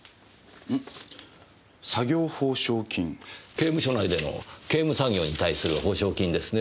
刑務所内での刑務作業に対する報奨金ですね。